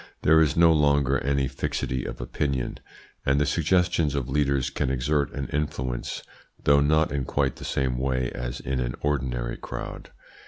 there is no longer any fixity of opinion, and the suggestions of leaders can exert an influence, though not in quite the same way as in an ordinary crowd.